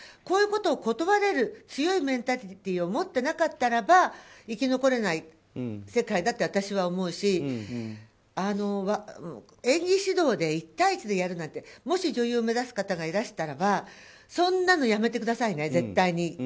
こういうことを断れる強いメンタリティーを持ってなかったら生き残れない世界だと私は思うし演技指導で一対一でやるなんてもし女優を目指す方がいらしたらそんなのやめてくださいね絶対に。